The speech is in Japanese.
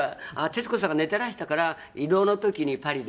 「徹子さんが寝てらしたから移動の時にパリでね」